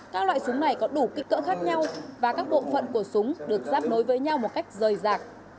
các loại súng này có đủ kích cỡ khác nhau và các bộ phận của súng được giáp nối với nhau một cách rời rạc